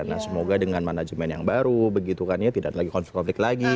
nah semoga dengan manajemen yang baru begitu kan ya tidak ada lagi konflik konflik lagi